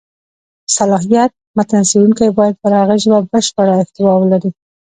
صلاحیت: متن څېړونکی باید پر هغه ژبه بشېړه احتوا ولري.